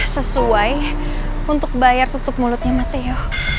sesuai untuk bayar tutup mulutnya mateo